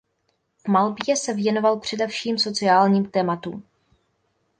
V malbě se věnoval především sociálním tématům.